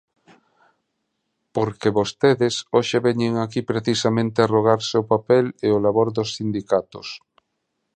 Porque vostedes hoxe veñen aquí precisamente arrogarse o papel e o labor dos sindicatos.